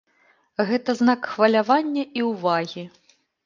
Гэта знак хвалявання і ўвагі.